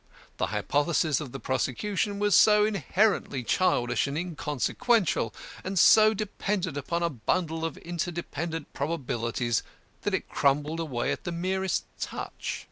The hypothesis of the prosecution was so inherently childish and inconsequential, and so dependent upon a bundle of interdependent probabilities that it crumbled away at the merest touch.